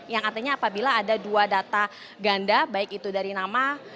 yang artinya apabila ada dua data ganda baik itu dari nama